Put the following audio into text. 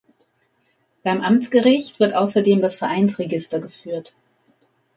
Beim Amtsgericht wird außerdem das Vereinsregister geführt.